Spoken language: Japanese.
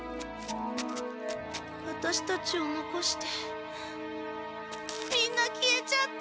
ワタシたちを残してみんな消えちゃった！